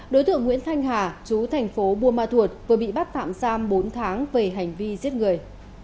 đối tượng nguyễn thanh hà chú thành phố buôn ma thuột vừa bị bắt tạm giam bốn tháng về hành vi giết người